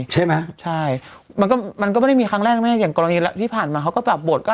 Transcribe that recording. ใช่มันก็มันก็ไม่มีครั้งแรกงั้นเหมือนกรณีที่ผ่านมาเขาก็ปรับบท